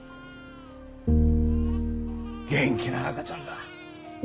元気な赤ちゃんだ。